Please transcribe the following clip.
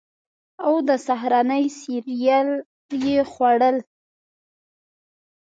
او د سهارنۍ سیریل یې خوړل